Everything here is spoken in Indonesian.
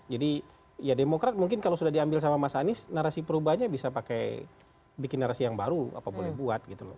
jadi ya demokrat mungkin kalau sudah diambil sama mas anies narasi perubahannya bisa pakai bikin narasi yang baru apa boleh buat gitu loh